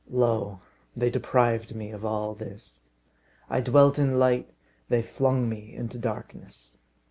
Lo! they deprived me of all this. I dwelt in light, they flung me into darkness.